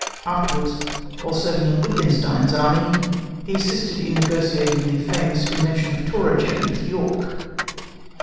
Afterwards, while serving with Wittgenstein's army, he assisted in negotiating the famous convention of Tauroggen with York.